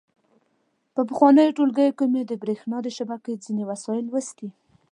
په پخوانیو ټولګیو کې مو د برېښنا د شبکې ځینې وسایل لوستي.